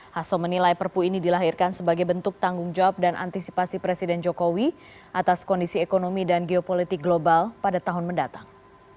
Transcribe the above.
hasso menilai perpu ini dilahirkan sebagai bentuk tanggung jawab dan antisipasi presiden jokowi atas kondisi ekonomi dan geopolitik global pada tahun mendatang